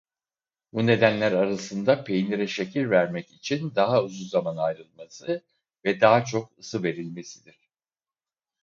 Bu nedenler arasında peynire şekil vermek için daha uzun zaman ayrılması ve daha çok ısı verilmesidir.